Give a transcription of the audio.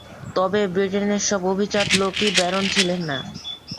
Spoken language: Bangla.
তবে ব্রিটেনের সব অভিজাত লোক ই ব্যারন ছিলেন না।